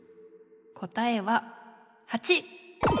答えは８！